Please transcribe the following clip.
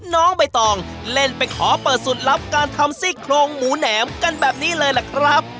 น้องใบตองเล่นไปขอเปิดสูตรลับการทำซี่โครงหมูแหนมกันแบบนี้เลยล่ะครับ